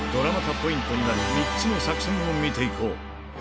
ポイントになる３つの作戦を見ていこう。